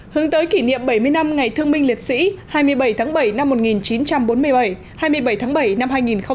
hướng tới kỷ niệm bảy mươi năm ngày thương minh liệt sĩ hai mươi bảy tháng bảy năm một nghìn chín trăm bốn mươi bảy hai mươi bảy tháng bảy năm hai nghìn hai mươi